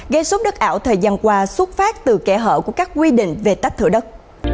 gây xúc đất ảo thời gian qua xuất phát từ kẻ hở của các quy định về tách thửa đất